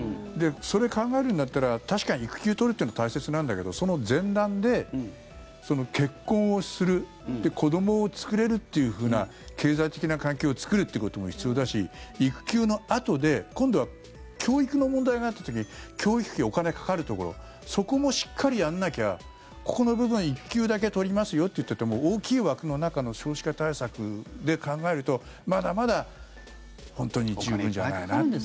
それを考えるんだったら確かに育休取るっていうのも大切なんだけどその前段で、結婚をする子どもを作れるっていうふうな経済的な環境を作るっていうことも必要だし育休のあとで今度は教育の問題があった時に教育費、お金がかかるところそこもしっかりやらなきゃここの部分、育休だけ取りますよっていったって大きい枠の中の少子化対策で考えるとまだまだ本当に充分じゃないなっていう。